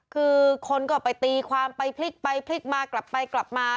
คือคนก็ไปตีความไปพลิกไปพลิกมากลับไปกลับมา